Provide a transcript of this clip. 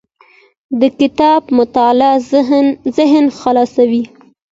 د کتاب مطالعه ذهن خلاصوي.